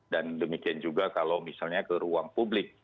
dan demikian juga kalau misalnya ke ruang publik